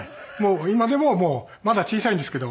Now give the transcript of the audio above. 今でもまだ小さいんですけど。